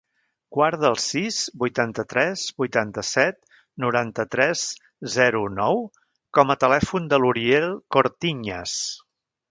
Guarda el sis, vuitanta-tres, vuitanta-set, noranta-tres, zero, nou com a telèfon de l'Uriel Cortiñas.